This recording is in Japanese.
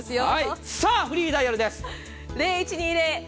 フリーダイヤルです。